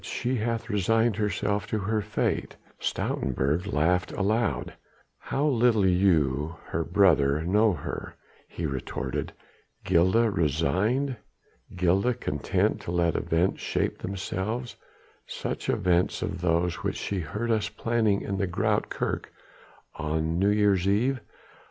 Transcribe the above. "She hath resigned herself to her fate." Stoutenburg laughed aloud. "How little you her own brother know her," he retorted. "Gilda resigned? Gilda content to let events shape themselves such events as those which she heard us planning in the Groote Kerk on New Year's Eve?